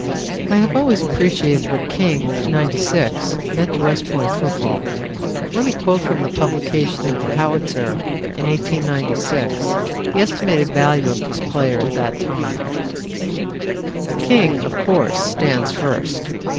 I have always appreciated what King, '96, meant to West Point football. Let me quote from the publication of the Howitzer, in 1896, the estimated value of this player at that time: "King, of course, stands first.